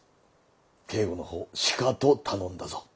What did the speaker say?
警護のほうしかと頼んだぞ。